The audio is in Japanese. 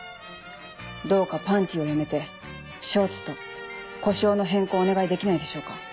どうか「パンティ」をやめて「ショーツ」と呼称の変更をお願いできないでしょうか。